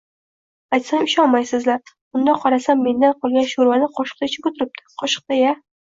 – Aytsam, ishonmaysizlar! Mundoq qarasam, mendan qolgan sho‘rvani qoshiqda ichib o‘tiribdi! Qoshiqda-ya!